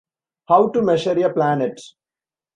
How to Measure a Planet?